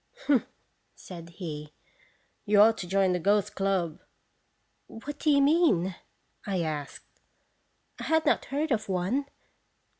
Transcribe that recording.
"Humph!" said he. "You ought to join the Ghost Club." "What do you mean?" 1 asked. "1 had not heard of one."